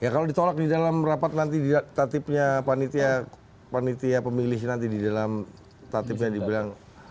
kalau ditolak di dalam rapat nanti di tatipnya panitia pemilih nanti di dalam tatipnya dibilang